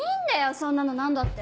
そんなの何だって。